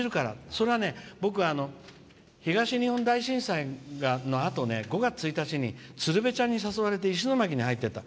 それは、僕は東日本大震災のあと５月１日に鶴瓶ちゃんに誘われて石巻に入ってた。